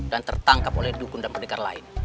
dan tertangkap oleh dukun dan pendekar lain